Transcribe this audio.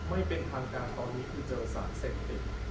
ไม่เป็นทางการตอนนี้คือเจอสารเสพติด